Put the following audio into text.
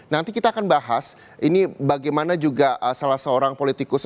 nanti kita akan bahas ini bagaimana juga salah seorang politikus